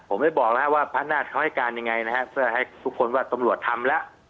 ผมไม่บอกแล้วว่าพระนาฏเขาให้การยังไงนะฮะเพื่อให้ทุกคนว่าตำรวจทำแล้ว